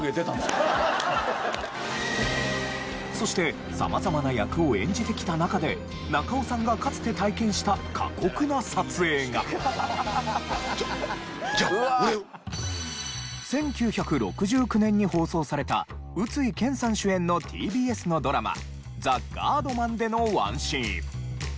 そして様々な役を演じてきた中で中尾さんが１９６９年に放送された宇津井健さん主演のＴＢＳのドラマ『ザ・ガードマン』でのワンシーン。